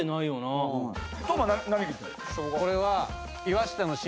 これは。